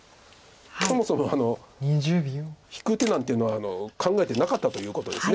そもそも引く手なんていうのは考えてなかったということです。